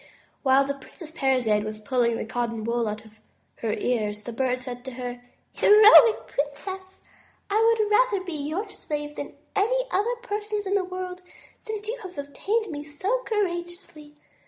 While the Princess Parizade was pulling the cotton wool out of her ears, the Bird said to her: "Heroic princess, I would rather be your slave than any other person's in the world since you have obtained me so courageously.